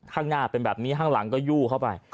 ข้างหน้าเป็นแบบนี้ข้างหลังก็ยู่เข้าไป